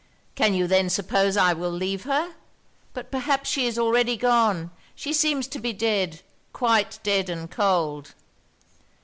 'Can you then suppose I will leave her? But perhaps she is already gone! She seems to be dead quite dead and cold!'